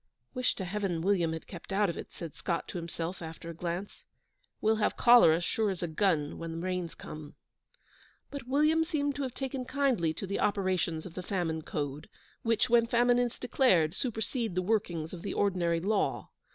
'Wish to Heaven William had kept out of it,' said Scott to himself, after a glance. 'We'll have cholera, sure as a gun, when the Rains come.' But William seemed to have taken kindly to the operations of the Famine Code, which, when famine is declared, supersede the workings of the ordinary law.